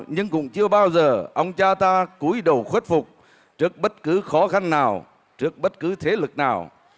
nhưng cũng chưa bao giờ ông cha ta cúi đầu khuất phục trước bất cứ khó khăn nào trước bất cứ thế lực nào